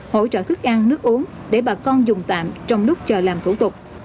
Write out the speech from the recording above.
hỗ trợ thức ăn nước uống để bà con dùng tạm trong lúc chờ làm thủ tục